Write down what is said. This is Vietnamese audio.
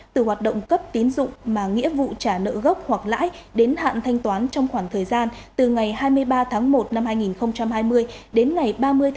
từ hoạt động cấp tín dụng mà nghĩa vụ trả nợ gốc hoặc lãi đến hạn thanh toán trong khoảng thời gian từ ngày hai mươi ba một hai nghìn hai mươi đến ngày ba mươi sáu hai nghìn hai mươi hai